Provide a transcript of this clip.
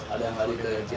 ada yang lari ke cihanju